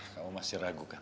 kamu masih ragu kan